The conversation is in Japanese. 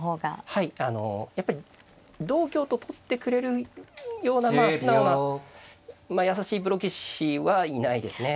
はいあのやっぱり同香と取ってくれるような素直な優しいプロ棋士はいないですね。